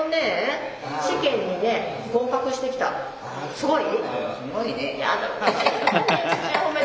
すごい？